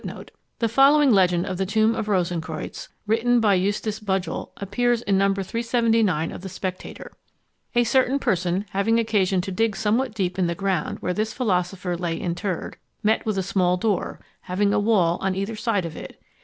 The following legend of the tomb of Rosencreutz, written by Eustace Budgell, appears in No. 379 of the Spectator: "A certain person, having occasion to dig somewhat deep in the ground where this philosopher lay interred, met with a small door, having a wall on each side of it.